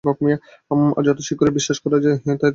আর যত শীঘ্র ইহা বিশ্বাস করা যায়, ততই তোমাদের কল্যাণ।